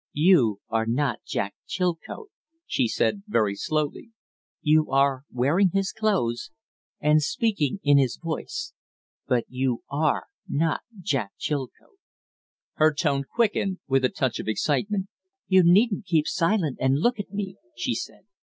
"You are not Jack Chilcote," she said, very slowly. "You are wearing his clothes, and speaking in his voice but you are not Jack Chilcote." Her tone quickened with a touch of excitement. "You needn't keep silent and look at me," she said.